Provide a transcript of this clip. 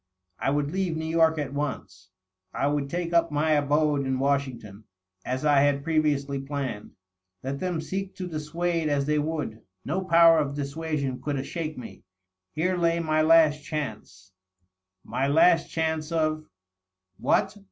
I would leave New York at once ; I would take up my abode in Washington^ as I had previously planned. Let them seek to dissuade as they would ; no power of dissuasion oould shake me. Here lay ray last chance. My last chance of .. what